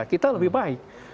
kita lebih baik